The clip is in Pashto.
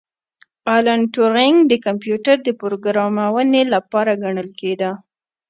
الن ټورینګ د کمپیوټر د پروګرامونې پلار ګڼل کیده